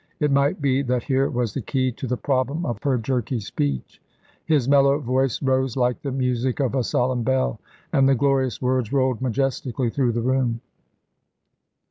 It might be that here was the key to the problem of her jerky speech. His mellow voice rose like the music of a solemn bell, and the glorious words rolled majestically through the room.